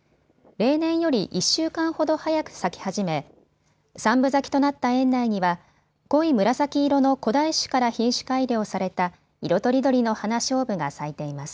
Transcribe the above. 例年より１週間ほど早く咲き始め３分咲きとなった園内には濃い紫色の古代種から品種改良された色とりどりのハナショウブが咲いています。